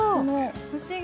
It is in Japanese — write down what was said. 不思議。